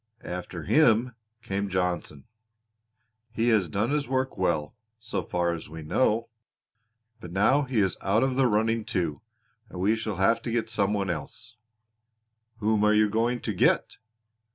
"After him came Johnson. He has done his work well, so far as we know; but now he is out of the running too and we shall have to get some one else." "Whom are you going to get?"